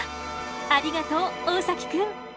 ありがとう大崎くん。